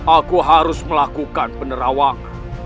aku harus melakukan penerawang